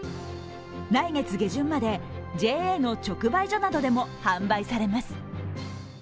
来月下旬までＪＡの直売所などでも販売されます。